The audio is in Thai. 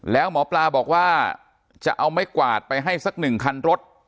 แล้วหมอปลาบอกว่าจะเอาไม้กวาดไปให้สักหนึ่งคันรถ